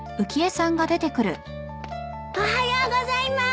おはようございます。